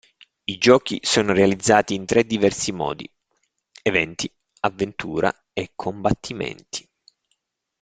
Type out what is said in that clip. I giochi sono realizzati in tre diversi modi: Eventi, Avventura e Combattimenti.